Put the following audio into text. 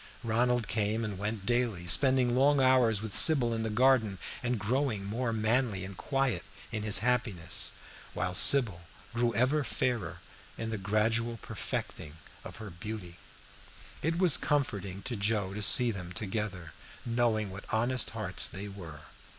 Ronald came and went daily, spending long hours with Sybil in the garden, and growing more manly and quiet in his happiness, while Sybil grew ever fairer in the gradual perfecting of her beauty. It was comforting to Joe to see them together, knowing what honest hearts they were.